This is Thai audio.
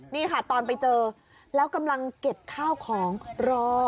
นี่ค่ะตอนไปเจอแล้วกำลังเก็บข้าวของรอ